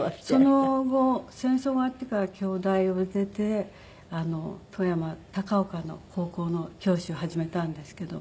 その後戦争終わってから京大を出て富山高岡の高校の教師を始めたんですけど。